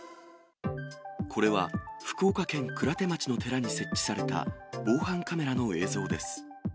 これは福岡県鞍手町の寺に設置された防犯カメラの映像です。